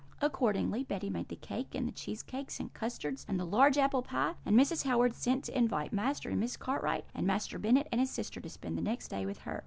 "Accordingly, Betty made the cake, and the cheesecakes, and custards, and the large apple pie; and Mrs. Howard sent to invite Master and Miss Cartwright, and Master Bennet and his sister, to spend the next day with her.